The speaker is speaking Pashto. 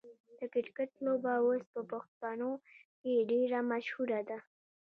د کرکټ لوبه اوس په پښتنو کې ډیره مشهوره ده.